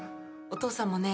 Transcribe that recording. お父さんもね